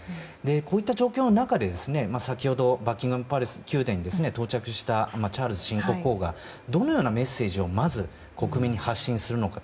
こういった状況の中で先ほど、バッキンガム宮殿に到着したチャールズ新国王がどのようなメッセージを国民に発信するのか。